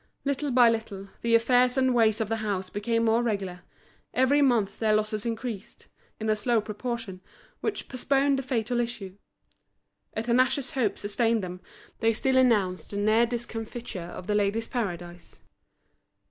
Little by little the affairs and ways of the house became more regular; every month their losses increased, in a slow proportion which postponed the fatal issue. A tenacious hope sustained them, they still announced the near discomfiture of The Ladies' Paradise.